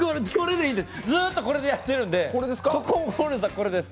ずっとこれでやってるんで小森園さん、これです。